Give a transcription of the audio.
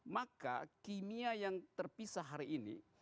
maka kimia yang terpisah hari ini